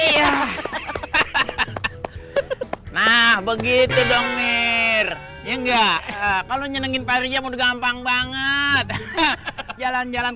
hahahaha nah begitu dong mir ya nggak kalau nyenengin parinya mudah gampang banget jalan jalan